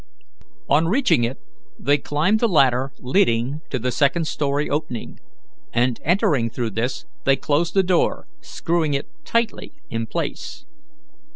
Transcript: On reaching it, they climbed the ladder leading to the second story opening, and entering through this, they closed the door, screwing it tightly in place.